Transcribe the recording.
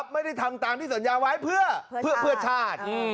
ไม่ได้ทำตามที่สัญญาไว้เพื่อชาติ